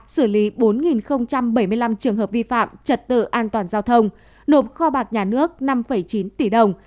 xử lý bốn bảy mươi năm trường hợp vi phạm trật tự an toàn giao thông nộp kho bạc nhà nước năm chín tỷ đồng